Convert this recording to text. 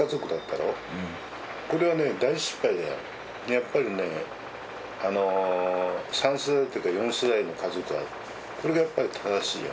やっぱりね３世代とか４世代の家族がこれがやっぱり正しいよ。